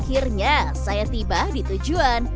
akhirnya saya tiba di tujuan